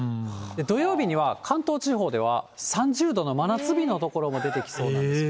土曜日には、関東地方では、３０度の真夏日の所も出てきそうなんです。